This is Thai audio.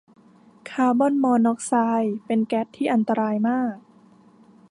คาร์บอนมอนอกซ์ไซด์เป็นแก๊สที่อันตรายมาก